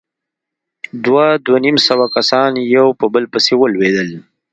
دوه، دوه نيم سوه کسان يو په بل پسې ولوېدل.